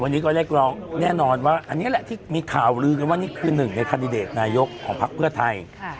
วันนี้ก็เรียกร้องแน่นอนว่าอันนี้แหละที่มีข่าวลือกันว่านี่คือหนึ่งในคันดิเดตนายกของพักเพื่อไทย